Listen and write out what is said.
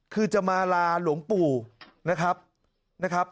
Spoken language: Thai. คือจะมาลาหลวงปู่นะครับ